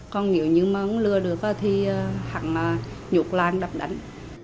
còn nếu như mà không lừa được thì hẳn nhục lang đập đánh